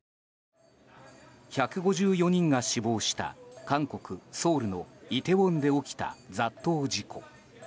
１５４人が死亡した韓国ソウルのイテウォンで起きた、雑踏事故。